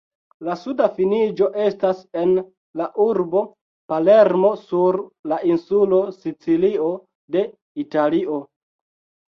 La suda finiĝo estas en la urbo Palermo sur la insulo Sicilio de Italio.